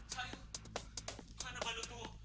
cayu kau anak balut tua